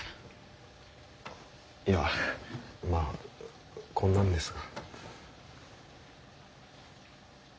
いやまあこんなんですが。